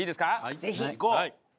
ぜひ。いこう！